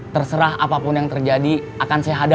terserah apapun yang terjadi akan saya hadapi